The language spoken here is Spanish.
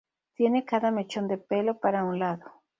Tiene cada mechón de pelo para un lado.